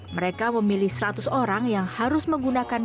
mereka memilih seratus orang yang harus menggunakan